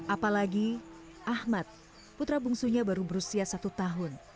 apalagi ahmad putra bungsunya baru berusia satu tahun